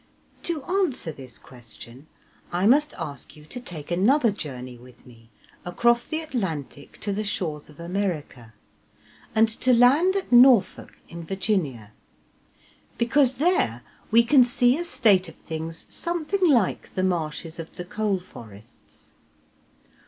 To answer this question, I must ask you to take another journey with me across the Atlantic to the shores of America, and to land at Norfolk in Virginia, because there we can see a state of things something like the marshes of the coal forests.